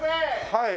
はい。